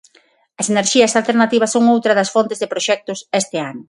As enerxías alternativas son outra das fontes de proxectos este ano.